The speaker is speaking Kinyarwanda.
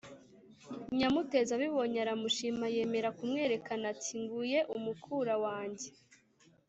Nyamutezi abibonye aramushima, yemera kumwerekana, ati «nguye umukura wanjye».